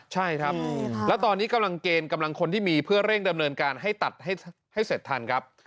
ใช่ครับแล้วตอนนี้กำลังเกณฑ์กำลังคนที่มีเพื่อเร่งดำเนินการให้ตัดให้เสร็จทันครับ